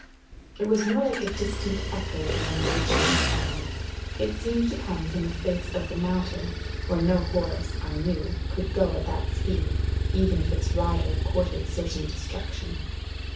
It was more like a distant echo than an original sound. It seemed to come from the face of the mountain, where no horse, I knew, could go at that speed, even if its rider courted certain destruction.